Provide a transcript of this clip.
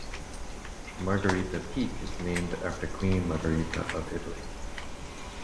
Margherita Peak is named after Queen Margherita of Italy.